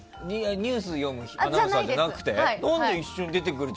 ニュース読むアナウンサーじゃなくて？